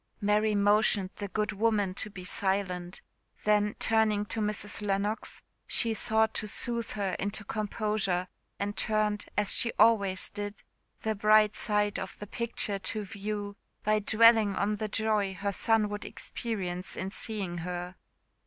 Mary motioned the good woman to be silent; then turning to Mrs Lennox, she sought to sooth her into composure, and turned, as she always did, he bright side of the picture to view, by dwelling on the joy her son would experience in seeing her.